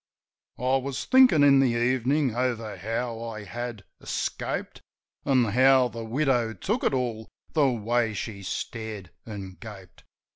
I was thinkin' in the evenin' over how I had escaped. An' how the widow took it all — the way she stared an' gaped.